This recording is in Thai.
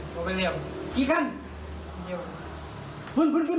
กลีกรปั๊ง